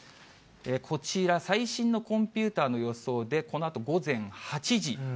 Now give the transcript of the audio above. こちら、最新のコンピューターの予想で、このあと午前８時。